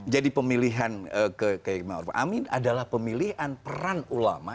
jadi pemilihan kemaru amin adalah pemilihan peran ulama